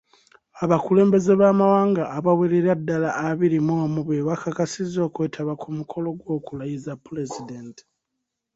Abakulembeze b'amawanga abawerera ddala abiri mu omu be bakakasizza okwetaba ku mukolo gw'okulayiza Pulezidenti.